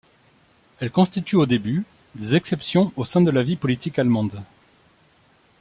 Elles constituent au début des exceptions au sein de la vie politique allemande.